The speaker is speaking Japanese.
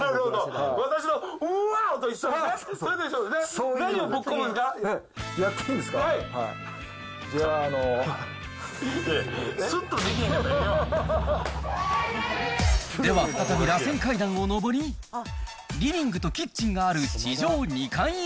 すっとできへんかったらええでは再びらせん階段を上り、リビングとキッチンがある地上２階へ。